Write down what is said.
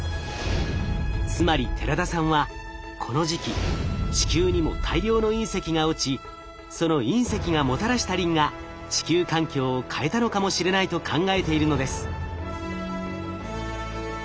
つまり寺田さんはこの時期地球にも大量の隕石が落ちその隕石がもたらしたリンが地球環境を変えたのかもしれないと考えているのです。